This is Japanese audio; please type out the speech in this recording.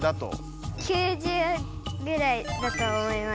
９０ぐらいだと思います。